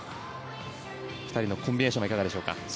２人のコンビネーションはいかがでしょうか。